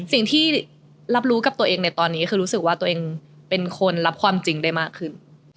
สิ่งที่รับรู้กับตัวเองในตอนนี้คือรู้สึกว่าตัวเองเป็นคนรับความจริงได้มากขึ้น